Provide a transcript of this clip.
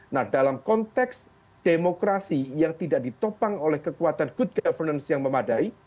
nah dalam konteks demokrasi yang tidak ditopang oleh kekuatan good governance yang memadai